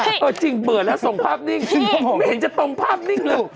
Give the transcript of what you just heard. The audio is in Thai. เออจริงเปิดแล้วส่งภาพนิ่งไม่เห็นจะตรงภาพนิ่งเลย